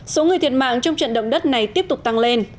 số người thiệt mạng trong trận động đất này tiếp tục tăng lên